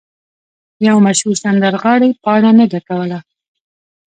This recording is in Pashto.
یو مشهور سندرغاړی پاڼه نه ډکوله.